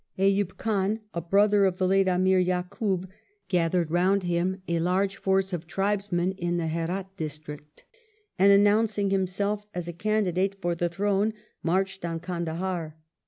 Ayub Khan, a brother of the late Amir Yakub, gathered round him a large force of tribesmen in the Herdt district, and announcing himself as a candidate for the throne marched on Kandahar.